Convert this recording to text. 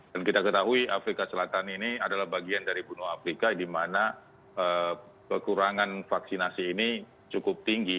kita ketahui afrika selatan ini adalah bagian dari benua afrika di mana kekurangan vaksinasi ini cukup tinggi